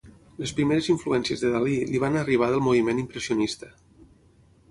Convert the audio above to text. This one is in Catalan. Les primeres influències de Dalí li van arribar del moviment impressionista.